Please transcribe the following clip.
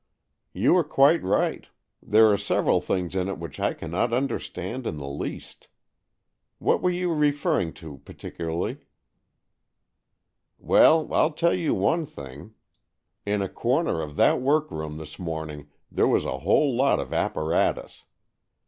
"You are quite right. There are several things in it which I cannot understand in the least. What were you referring to particularly ?"" Well, Fll tell you one thing. In a 122 AN EXCHANGE OF SOULS corner of that workroom this morning there was a whole lot of apparatus.